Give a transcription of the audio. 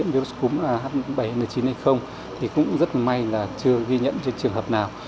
virus cúm h bảy n chín hay không thì cũng rất may là chưa ghi nhận trên trường hợp nào